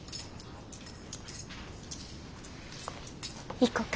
行こか。